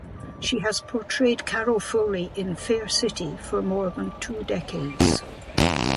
She has portrayed Carol Foley in "Fair City" for more than two decades.